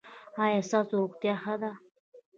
ایا ستاسو روغتیا ښه ده؟